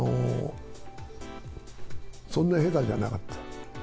そんな下手じゃなかった。